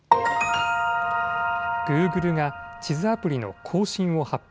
グーグルが地図アプリの更新を発表。